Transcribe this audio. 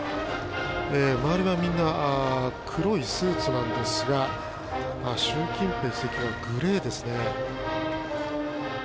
周りはみんな黒いスーツですが習近平主席はグレーですね。